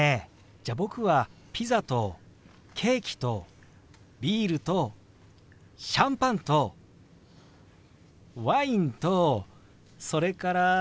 じゃあ僕はピザとケーキとビールとシャンパンとワインとそれから。